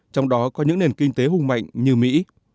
trong đó có những nền kinh tế hung mạnh như mỹ